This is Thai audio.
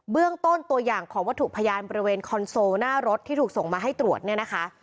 เรื่องต้นตัวอย่างของวัตถุพยานบริเวณคอนโซลหน้ารถที่ถูกส่งมาให้ตรวจเนี่ยนะคะ